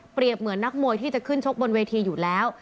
เหมือนนักมวยที่จะขึ้นชกบนเวทีอยู่แล้ว